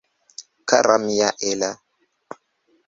Kara mia Ella!